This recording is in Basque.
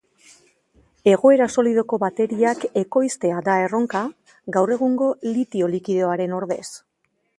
Egoera solidoko bateriak ekoiztea da erronka, gaur egungo litio likidoaren ordez.